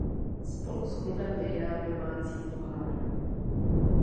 Spolu s klubem vyhrál domácí pohár.